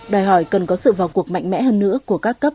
đòi hỏi cần có sự vào cuộc mạnh mẽ hơn nữa của các cấp